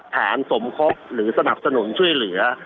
สมคบหรือสนับสนุนช่วยเหลือ